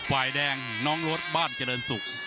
วายแดงน้องรถบ้านเจริญสุข